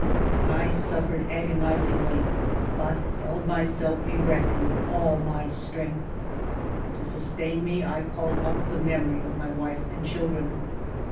I suffered agonizingly, but held myself erect with all my strength. To sustain me I called up the memory of my wife and children.